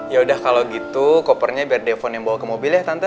ya udah kalau gitu kopernya biar defen yang bawa ke mobil ya tante